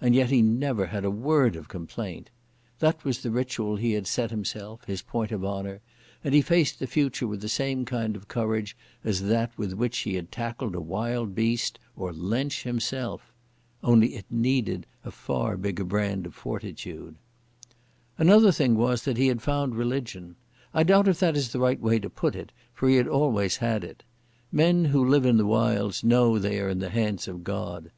And yet he never had a word of complaint. That was the ritual he had set himself, his point of honour, and he faced the future with the same kind of courage as that with which he had tackled a wild beast or Lensch himself. Only it needed a far bigger brand of fortitude. Another thing was that he had found religion. I doubt if that is the right way to put it, for he had always had it. Men who live in the wilds know they are in the hands of God.